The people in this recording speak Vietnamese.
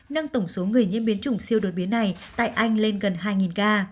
nâng tổng số người nhiễm biến chủng siêu đột biến này tại anh lên gần hai ca